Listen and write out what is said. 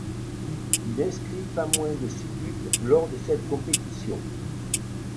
Il inscrit pas moins de six buts lors de cette compétition.